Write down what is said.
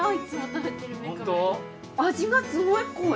味がすごい濃い。